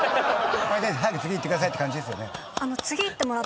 早く次いってくださいって感じですよね？